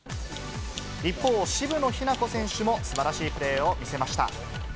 一方、渋野日向子選手もすばらしいプレーを見せました。